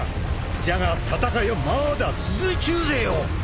じゃが戦いはまだ続いちゅうぜよ！